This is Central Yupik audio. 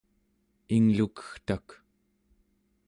inglukegtak